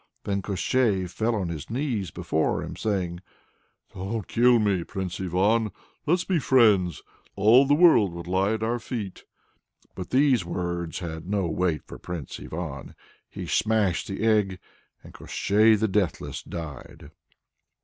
Then Koshchei fell on his knees before him, saying, "Don't kill me, Prince Ivan! Let's be friends! All the world will lie at our feet." But these words had no weight with Prince Ivan. He smashed the egg, and Koshchei the Deathless died.